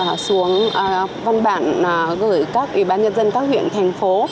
chỉ đạo xuống văn bản gửi các ủy ban nhân dân các huyện thành phố